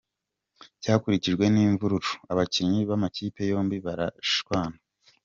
Cyakurikiwe n’imvururu, abakinnyi b’amakipe yombi barashwana.